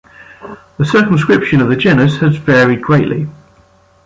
The circumscription of the genus has varied greatly.